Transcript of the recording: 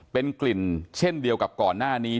เป็นกลิ่นเช่นเดียวกับก่อนหน้านี้